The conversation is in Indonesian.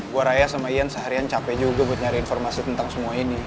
gua raya sama ian seharian capek juga buat nyari informasi tentang semua ini